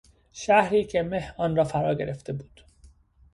شهری که مه آن را فراگرفته بود